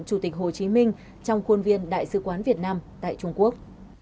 chủ tịch hồ chí minh trong khuôn viên đại sứ quán việt nam tại trung quốc